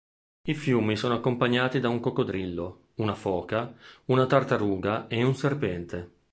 I fiumi sono accompagnati da un coccodrillo, una foca, una tartaruga e un serpente.